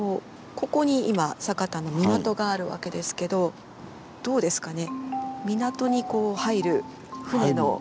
ここに今酒田の港があるわけですけどどうですかね？